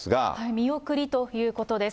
見送りということです。